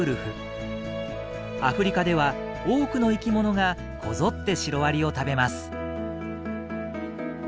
アフリカでは多くの生きものがこぞってシロアリを食べます。